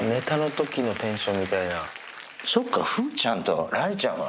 そっか風ちゃんと雷ちゃんは。